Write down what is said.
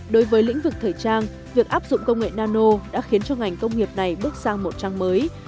đối với lĩnh vực thời trang việc áp dụng công nghệ nano đã khiến cho ngành công nghiệp này bước sang một trang mới